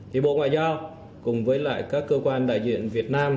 thì bộ ngoại giao cùng với lại các cơ quan đại diện việt nam